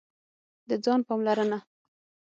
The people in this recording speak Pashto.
د ځان پاملرنه: